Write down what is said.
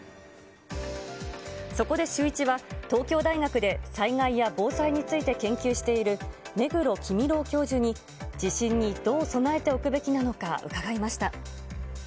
そこでシューイチは、東京大学で災害や防災について研究している目黒公郎教授に、地震にどう備えておくべきなのか伺いました。